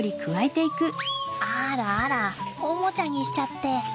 あらあらおもちゃにしちゃって。